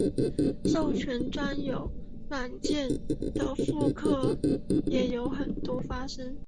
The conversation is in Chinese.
授权的专有软件的复刻也时有发生。